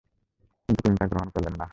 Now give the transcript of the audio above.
কিন্তু তিনি তা গ্রহণ করলেন না।